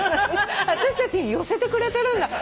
私たちに寄せてくれてるんだ。